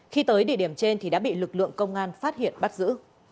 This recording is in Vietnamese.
khi tới địa điểm trên thì đã bị lực lượng công an phát hiện bắt giữ